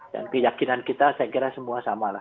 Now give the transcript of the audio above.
dan keyakinan kita saya kira semua sama lah